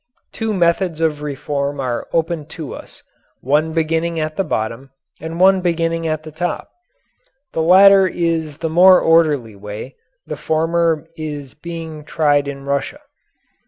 Two methods of reform are open to us, one beginning at the bottom and one beginning at the top. The latter is the more orderly way, the former is being tried in Russia.